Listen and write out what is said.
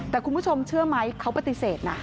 แต่คุณผู้ชมเชื่อไหมเขาปฏิเสธนะ